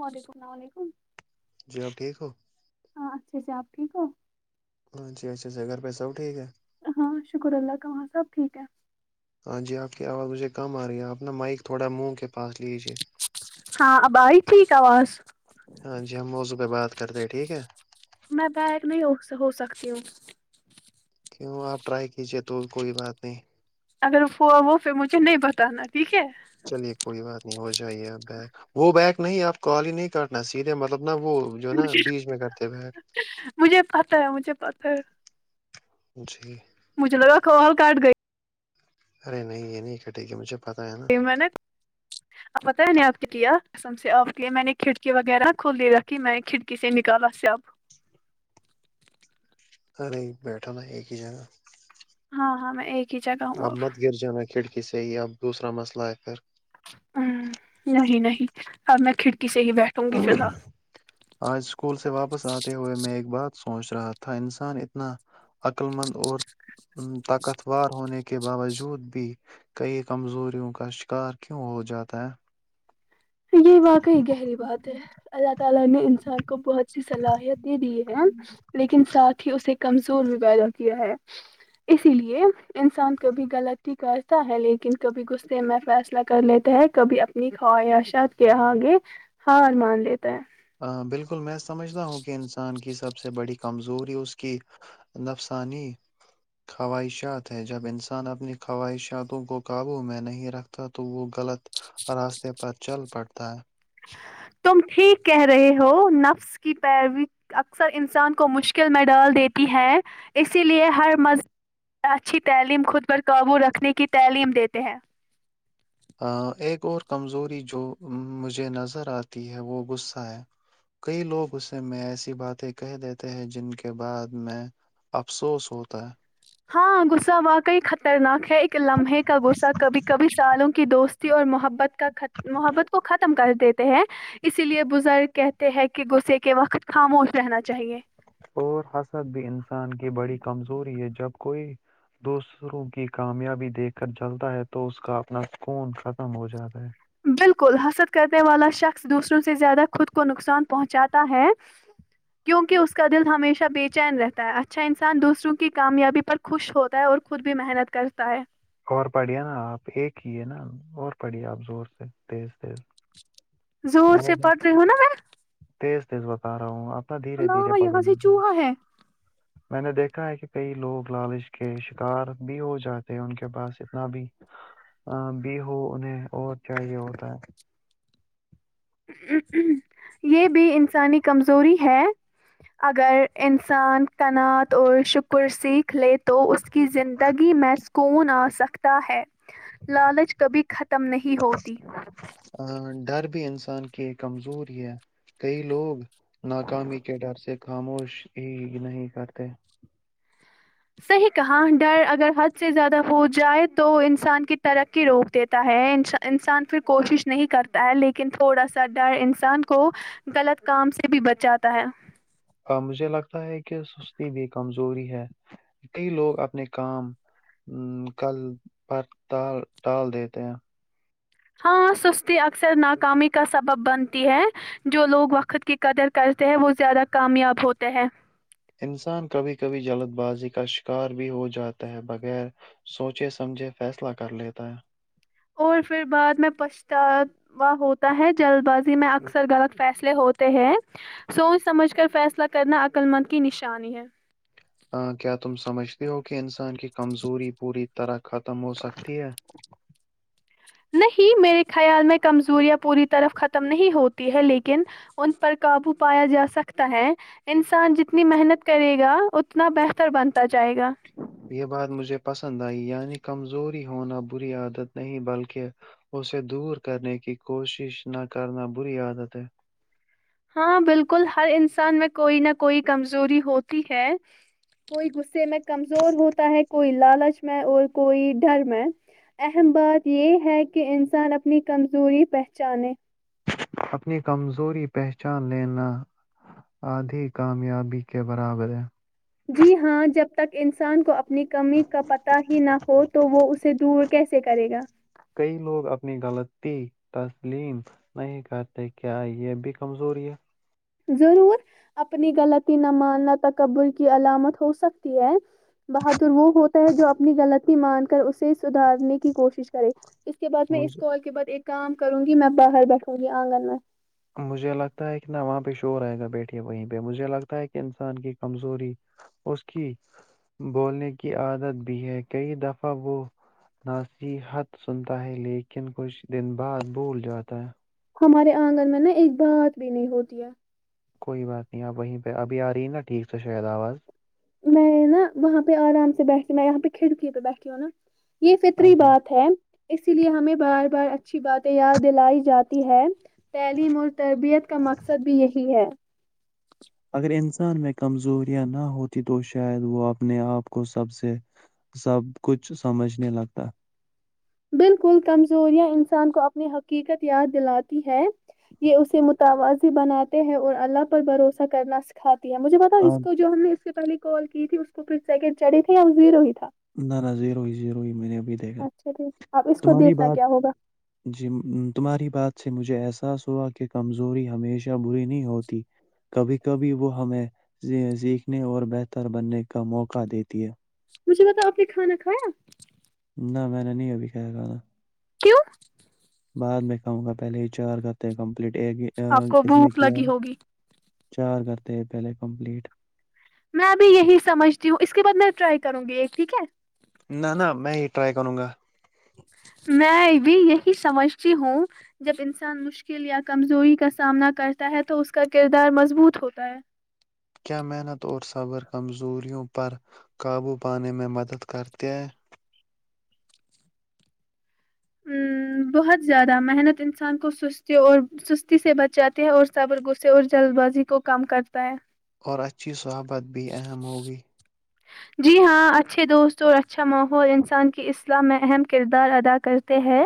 وعلیکم السلام علیکم جناب ٹھیک ہو ہاں اچھ ا سے آپ ٹھیک ہو ہاں جی اچھا سر گھر بھائی سب ٹھیک ہے ہاں شکر اللہ کا وہاں سب ٹھیک ہے ہاں جی آپ کی آواز مجھے کم آ رہی ہے آپ ن مائک تھوڑا منہ کے پاس لیجیے ہاں ابائی ٹھیک آواز ہاں جی ہم موضوع پہ بات کرتے ہیں ٹھیک ہے میں بیگ نہیں ہو ہو سکتی ہوں کیوں آپ ٹرائی کیجیے تو کوئی بات نہیں اگر ہو وہ پ مجھے نہیں بتانا ٹھیک ہے چلیے کوئی بات نہیں ہو جائیے اب وہ بیگ نہیں آپ کو آال ہی نہیں کرنا سیدھے مطلب نا وہ جو نا بیچ میں کرتے بیگ مجھے پت ہے مجھے پتاہ ہے جی مجھے لگا کال کاٹ گئی ارے نہیں یہ نہیں کٹے گی مجھے پتا ہے نا یہ [unintelligible] آپت ننے آتیتیہ سم سے آپ کی میں نے کھڑکی وغیرہ کھل دے رکھی میں نے کھڑکی سے نکالا س آپ کو ارے بیٹھا ن ایک ہی جگہ ہاں ہاں میں ایک ہی جگہ ہوں آپ مت اب گر جانا کھڑکی سے ہی آب د دوسرا مسئلہ ہے پھر ہ نہیں نہیں اب میں کھڑکی سے ہی بیٹھوں گی فی پھر الحال آج اسکول سے واپس آتے ہوئے میں ایک بات سوچ رہا تھا انسان اتنا عقللمند اور طاقتور ہونے کے کے باوجود بھی کئی کمزوریوں کا شکار کیوں ہو جاتا ہے یہی واقعی گہری بات ہے اللہ تعالی نے انسان کو بہت اچھی صلاحیت دے دی ہے لیکن ساتھ ہی اسے کمزور بھی پیدا کیا ہے اسی لیے انسان کبھی غلطی کا تا لیکن کبھی غصے میں فیصلہ کر لیتے ہیں کبھی اپنی خواہش چھ کے آگے ہار مان لیتا ہے بالکل میں سمجھتا ہوں کہ انسان کی سب سے بڑی کمزوری اس کی نفسانی خواہشات ہے جب انسان اپنی خواہشاتوں کو قابو میں نہیں رکھتا تو وہ غلط راستے پر چل پڑتا ہے تم ٹھیک کہہ رہے ہو نفس اس کی پیروی اکثر انسان کو مشکل میں ڈال دیتی ہے اسی لیے ہر مذب اچھی تعلیم خود پر قابو رکھنے کی تعلیم دیتے ہیں ایک اور کمزوری جو مجھے نظر آتی ہے وہ غصہ ہے کئی لوگ اس میں ایسی باتیں کہہ دیتے ہیں جن کے بعد میں افسوس ہوتا ہے ہاں غصہ واقعی خطرناک ہے ایک لمحے کا غصہ کبھی کبھی سالوں کی دوست اور محبت کا محبت کو ختم کر دی ہیں اسی لیے بزرگ کہتے ہیں کہ غصے کے وقت خاموش رہنا چاہیے اور حسد بھی انسان کی بڑی کمزوری ہے جب کوئی دوسروں کی کامیابی دیکھ کر چلتا ہے تو اس کا اپنا کوون ختم ہو جاتا ہے بالکل حسل کرنے والا شخص دوسروں سے زیادہ خود کو نقصان پہنچاتا ہے کیوںہ اس کا دل ہمیشہ بے چین رہتا ہے اچھا انسان دوسروں کی کامیابی پر خوش ہوتا ہے اور خود بھی محنت کرتا ہے اور پڑھیے نا آپ ایک ہی ہے نا اور پڑھیے آپ زور سے تیز تیز زور میں نے سے دیکھ- پڑھ رہی ہووں نا میں تیز تیز بتا رہا ہوں آنا دھیرے دھیرے اللہ یہاں سے پڑھوںے چوہا ہے میں نے دیکھا ہے کہ کئی لوگ لالچ کے شکار بھی ہو جاتے ہیں ان کے پاس اتنا بھی ا بھی ہو انہیں اور چاہیے ہوتا ہے یہ بھی انسانی کمزوری ہے اگر انسان کنعت اور شکر سیکھ لے تو اس کی زندگی میں کون آ سکتا ہے لالچ کبھی ختم نہیں ہوتی ا ڈر بھی انسان کی کمزور ہے کئی لوگ ناکامی کے ڈر سے خاموش ہی نہیں کرتے صحیح کہاں ڈر اگر حد سے زیادہ ہو جائے تو انسان کی ترقی روک دیتے ہے انسان پھر کوشش نہیں کرتا ہے لیکن تھوڑا سا ڈر انسان کو غلط کام سے بھی بچاتا ہے مجھے لگتا ہے کہ سستی بھی کمزوری ہے کئی لوگ اپنے کام کل پرال ال دیتے ہیں ہاں سستی اکثر ناکامی کا سبب بنتی ہے جو لوگ وقت کی قدر کرتے ہیں وہ زیادہ کامیاب ہوتا ہے انسان کبھی کبھی جلد بازی کا شکار بھی ہو جاتا ہے بغیر سوچے سمجھے فیصلہ کر لیتا ہے اور پھر بعد میں پچھتاؤ وہ ہوتا ہے جلد بازی میں اکثر غلط فیصلے ہوتے ہیں سوچ سمجھ کر فیصلہ کرنا عقل مند کی نشانی ہے ہاں کیا تم سمجھتے ہو کہ انسان کی کمزوری پوری طرح ختم ہو سکتی ہے نہیں میرے خیال میں کمزوریاں پوری طرف ختم نہیں ہوتی ہے لیکن ان پر قابو پایا جا سکتا ہے انسان جتنی محنت کرے گا اتنا بہتر بنتا جائے گا یہ بات مجھے پسند آئی یعنی کمزوری ہونا بری عادت نہیں بلکہ اسے دور کرنے کی کوشش نہ کرنا بری عادت ہے ہاں بالکل ہر انسان میں کوئی نہ کوئی کمزوری ہوتی ہے کوئی غصے میں کمزور ہوتا ہے کوئی لالچ میں اور کوئی ڈر میں اہم بات یہ ہے کہ انسان اپنی کمزوری پہچانے اپنی کمزوری پہچان لینا آدھی کامیابی کے برابر ہے جی ہاں جب تک انسان کو اپنی کمی کا پتہ ہی نہ ہو تو وہ اسے دور کیسے کرے گا کئی لوگ اپنی غلطی تسلیم نہیں کہتے کیا یہ اب بھی کمزوری ہے ضرور اپنی غلطی نہ ماننا تکبر کی علامت ہو سکتی ہے بہادر وہ ہوتا ہے جو اپنی غلطی مان کر اسے سدھارنے کی کوشش کرے اس کے بعد میں اس مجھے کال کے بعد ایک کام کروں گی میں باہر بیٹھوں گی آنگن میں مجھے لگتا ہے کہ نہ وہاں پہ شور آئے گا بیٹھیے وہیں پہ مجھے لگتا ہے کہ انسان کی کمزوری اس کی بولنے کی عادت بھی ہے کئی دفعہ وہ ناسیحت سنتا ہے لیکن کچھ دن بعد بھول جاتا ہے ہمارے آنگن میں نا ایک بات بھی نہیں ہوتی ہے کوئی بات نہیں آپ وہیں پہ ابھی آ رہی ہیں نا ٹھیک سے شاید آواز میں نا وہاں پہ آرام سے بیٹھی ہوں میں یہاں پہ کھڑکی پہ بیٹھی ہوں نا یہ فطری اچھا بات ہے اسی لیے ہمیں بار بار اچھی باتیں یاد دلائی جاتی ہے تعلیم اور تربیت کا مقصد بھی یہی ہے اگر انسان میں کمزوریاں نہ ہوتی تو شاید وہ اپنے آپ کو سب سے سب کچھ سمجھ نے لگتا بالکل کمزوریاں انسان کو اپنی حقیقت یاد دلاتی ہے یہ اسے متوازی بناتے ہیں اور اللہ پر بھروسہ کرنا سکھاتی ہے مجھے بتاو آ- اس کو جو ہم نے اس سے پہلے کال کی تھی اس کو پھر سیکنڈ چڑھے تھے یا ڑمزیرو ہی تھا نہ نہ زیرو ہی زیر ہی میں نے ابھی دی اچھا ٹھیک اب اس کو دیکھنا کیا ہوگا جی تمہاری بات سے مجھے احساس ہوا کہ کمزوری ہمیشہ بری نہیں ہوتی کبھی کبھی وہ ہمیں سیکھنے اور بہتر بننے کا موقع دیتی ہے مجھے بتاو آپ نے کھانا کھایا نہ میں نے نہیں ابھی کھایا کھانا کیوں بعد میں کھاوں گا پہلے ہی چار کرتے ہیں کمپلیٹ ایک آپ کو اس میں بھوک کیا لگی ہوگی چار کرتے ہے پہلے کمپلیٹ میں بھی یہی سمجھتی ہوں اس کے بعد میں ٹرائی کروں گی ایک ٹھیک ہے نہ نہ میں ہی ٹرائی کروں گا میں ا بھی یہی سمجھتی ہوں جب انسان مشکل یا کمزوری کا سامنا کرتا ہے تو اس کا کردار مضبوط ہوتا ہے کیا محنت اور صبر کمزوریوں پر قابو پانے میں مدد کرتے ہیں [inaudible] ام، بہت زیادہ محنت انسان کو سستی اور سستی سے بچاتی ہے اور صبر غسے اور جلد بازی کو کم کرتا ہے اور اچھی صحبت بھی اہم ہوگی جی ہاں اچھے دوست اور اچھا ماحول انسان کی اسلاح میں اہم کردار ادا کرتے ہے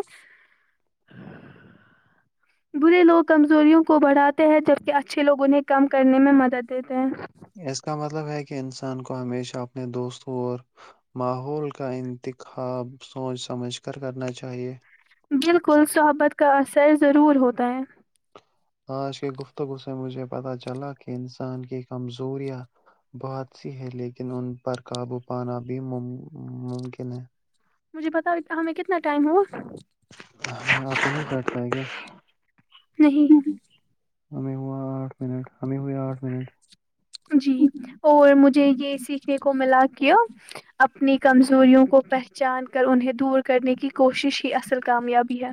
برے لوگ کمزوریوں کو بڑھاتے ہیں جبکہ اچھے لوگ انہیں کم کرنے میں مدد دیتے ہیں اس کا مطلب ہے کہ انسان کو ہمیشہ اپنے دوستوں اور ماحول کا انتخاب سوچ سمجھ کر کرنا چاہیے بالکل صحبت کا اثر ضرور ہوتا ہے آج کی گفتگو سے مجھے پتہ چلا کہ انسان کی کمزوریاں بہت سی ہے لیکن ان پر قابو پانا بھی ممکن ہے مجھے بتا ہمیں کتنا ٹائم ہوا [unintelligible] نہیں ہمیں ہوا آٹھ منٹ ہمیں ہوئے آٹھ منٹ جی اور مجھے یہ سیکھنے کو ملا کیا اپنی کمزوریوں کو پہچان کر انہیں دور کرنے کی کوشش ہی اصل کامیابی ہے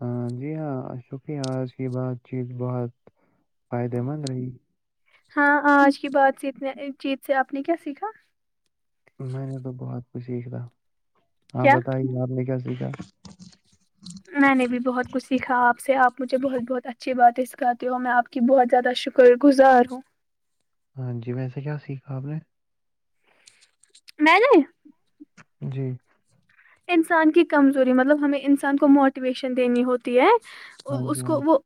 ہاں جی ہاں شکریہ آج کی بات چیت بہت فائدے مند رہی ہاں آج کی بات جیت سے آپ نے کیا سیکھا میں نے تو بہت کچھ سیکھ تھا آپ کیا بتائی آپ نے کیا سیکھا میں نے بھی بہت کچھ سیکھا آپ سے آپ مجھے بہت بہت اچھی باتیں سکھاتے ہو میں آپ کی بہت زیادہ شکر گزار ہوں ہاں جی ویسے کیا سیکھا آپ نے میں نے جی انسان کی کمزوری مطلب ہمیں انسان کو موٹیویشن دینی ہوتی ہے ہاں جی اس ہاں کو جی، وہ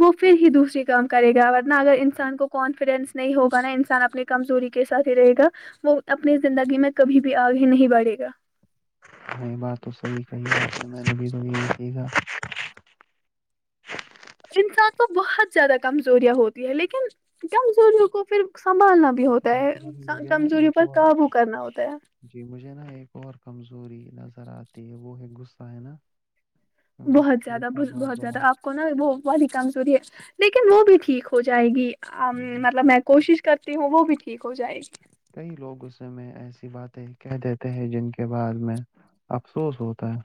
وہ پھر ہی دوسری کام کرے گا ورنہ اگر انسان کو کانفیڈینس نہیں ہوگا نا انسان اپنے- کمزوری کے ساتھ ہی رہے گا وہ اپنی زندگی میں کبھی بھی آگے نہیں بڑھے گا- ہ یہ بات تو صحیح کہی میں ابھی تو نہیں دھی گا- انسان کو بہت زیادہ کمزوریاں ہوتی ہے لیکن کمزوریوں کو پھر سنبھالنا- بھی ہوتا آپ کے بعد میں ہے مجھے نا کمزوری ایک پر اور قابو کرنا ہوتا ہے- جی مجھے نا ایک اور کمزوری نظر آتی ہے وہ ہے غصہ ہے نا- غص- بہت زیادہ غصہ بہت بڑا زیادہ آپ- کو نا وہ بہت ہی کمزوری ہے لیکن وہ بھی ٹھیک ہو جائے گی ہے جی مطلب میں- کوشش کرتی ہوں وہ بھی ٹھیک ہو جائے گی- کئی لوگ اس میں ایسی باتیں کہ دیتے ہیں جن کے بعد میں- افسوس ہوتا ہے-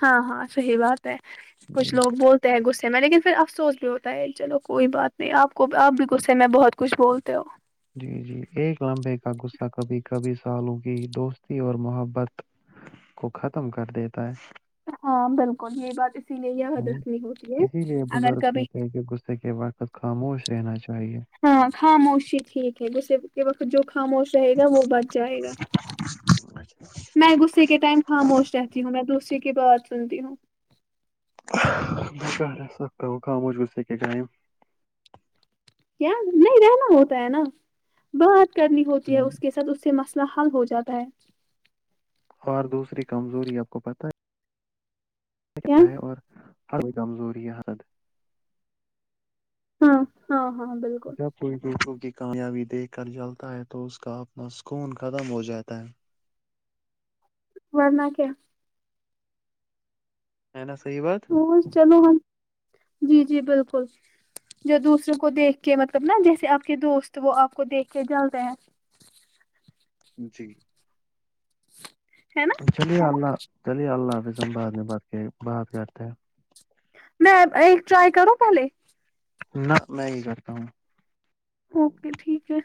ہاں- ہاں صحیح بات ہے ہے کچھ جی لوگ بولتے ہیں غصے میں لیکن پھر افسوس- ہوتا ہے چلو کوئی بات نہیں آپ کو آپ بھیغصے میں بہت کچھ بولتے ہو- جی- جی ایک لمبے کا غصہ کبھی کبھی سالوں کی دوستی اور محبت- کو ختم کر دیتا ہے- ہاں بالکل یہ بات اسی لیے یاد رکھنی ہوتی ہے اسی لیے اگر بزرگ کبھی کہتے ہیں کہ کتے کے بعد- اور خاموش رہنا چاہیے- ہاں خاموشی ٹھیک ہے گسے- کے وقت جو خاموش رہے گا وہ بچ جائے گا- [unintelligible] میں غصے کے ٹائم خاموش رہتی ہوں میں دوسرے کی بات سنتی ہوں- ب سخ کاق م و جوسے کے جائم- کیا نہیں رہنا ہوتا ہے نا بات کرنی ہوتی ہے اس کے ساتھ اس سے مس- حل ہو جاتا ہے- اور دوسری کمزوری آپ کو پت کیا ہے ہے اور- ہر کوئی کمزوری ہے سد- ہاں -ہاں- ہاں بالکل- جب کوئی دوسوں کی کامیابی دیکھ کر چلتا ہے تو اس کا اپنا سکون ختم ہو جاتا ہے- وارنہ کیا? ہے نا صحیح بات- چلو ہاں جی- جی بالکل- جو دوسروں کو دیکھ کے مطلب نا جیسے آپ کے دوست وہ آپ کو دیکھ کے جل رہ ہیں- جی- ہے نا- تو چلیے اللہ چلیے اللہ حافظ ہم بعد میں ب کے بات کرتے ہیں- میں ایک ٹرائی کروں پہلے- نہ میں یہ کرتا ہوں- اوکے ٹھیک ہے-